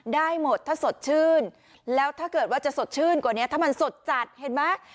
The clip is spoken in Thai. ได้หมดถ้าสดชื่นแล้วถ้าเกิดว่าจะสดชื่นกว่านี้ถ้ามันสดจัดเห็นไหม